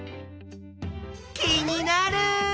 気になる！